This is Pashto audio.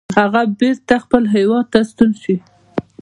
هغه بیرته خپل هیواد ته ستون شي.